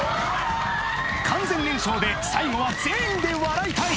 完全燃焼で最後は全員で笑いたい